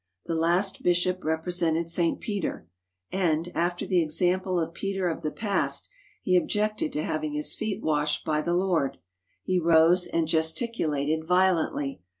The last bishop represented St. Peter, and, after the example of Peter of the past, he objected to having his feet washed by the Lord; he rose and gesticulated violently.